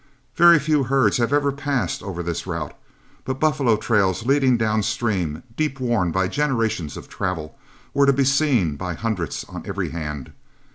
Very few herds had ever passed over this route, but buffalo trails leading downstream, deep worn by generations of travel, were to be seen by hundreds on every hand.